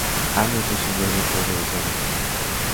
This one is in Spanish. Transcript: Arnold Schwarzenegger no regresó a dicha secuela.